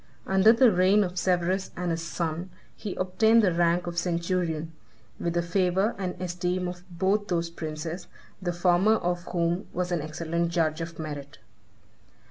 Under the reign of Severus and his son, he obtained the rank of centurion, with the favor and esteem of both those princes, the former of whom was an excellent judge of merit.